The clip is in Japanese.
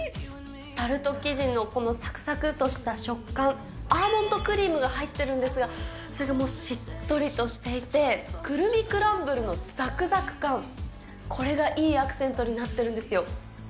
タルト生地の、このさくさくっとした食感、アーモンドクリームが入ってるんですが、それもしっとりとしていて、クルミクランブルのざくざく感、これがいいアクセントになっているんですよ。